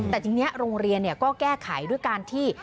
แต่ทีนี้โรงเรียนก็แก้ไขด้วยการที่